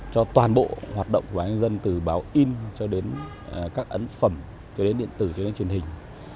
cho toàn bộ hoạt động của nhân dân từ báo in cho đến các ấn phẩm cho đến điện tử cho đến truyền hình